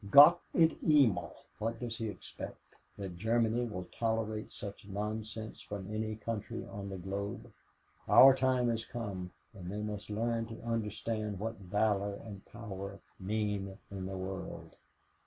Gott in Himmel! what does he expect? that Germany will tolerate such nonsense from any country on the globe? Our time has come and they must learn to understand what valor and power mean in the world."